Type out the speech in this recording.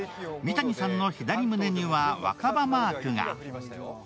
三谷さんの左胸には若葉マークが。